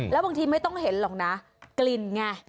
แล้วบางทีไม่ต้องเห็นหรอกนะกลิ่นไง